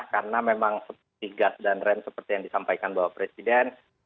karena memang seperti gas dan ren seperti yang disampaikan bapak presiden